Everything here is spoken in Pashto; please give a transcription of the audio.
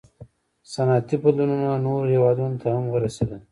• صنعتي بدلونونه نورو هېوادونو ته هم ورسېدل.